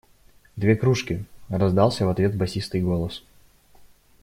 Две кружки! – раздался в ответ басистый голос.